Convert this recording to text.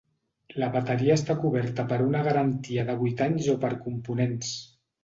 La bateria està coberta per una garantia de vuit anys o per components.